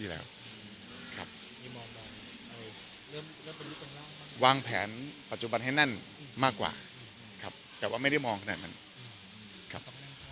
วางแผนปัจจุบันให้แน่นมากกว่าครับแต่ว่าไม่ได้มองขนาดนั้นครับ